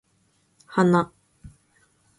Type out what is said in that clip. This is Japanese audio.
花